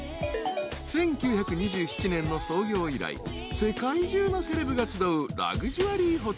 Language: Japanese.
［１９２７年の創業以来世界中のセレブが集うラグジュアリーホテル］